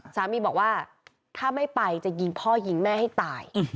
สามีบอกว่าถ้าไม่ไปจะยิงพ่อยิงแม่ให้ตาย